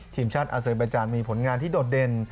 ทีมชาติอาเซอร์บาจานมีผลงานที่โดดเด่น